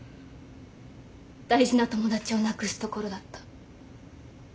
大事な友達をなくすところだった。